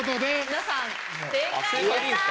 皆さん正解です。